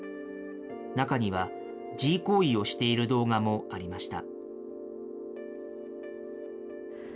中には自慰行為をしている動画もありました。